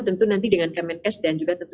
tentu nanti dengan kemenkes dan juga tentu